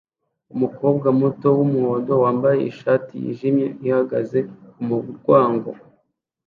umukobwa muto wumuhondo wambaye ishati yijimye ihagaze kumurwango